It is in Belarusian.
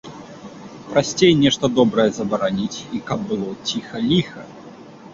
Прасцей нешта добрае забараніць, і каб было ціха-ліха.